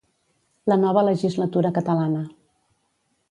La nova legislatura catalana.